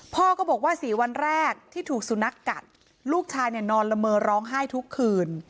พ่อก็บอกว่า๔วันแรกที่ถูกสุนัขกัดลูกชายเนี่ยนอนละเมอร้องไห้ทุกคืน